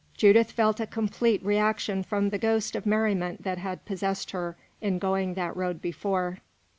Judith felt a complete reaction from the ghost of merriment that had possessed her in going that road before.